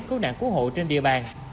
cứu nạn cứu hộ trên địa bàn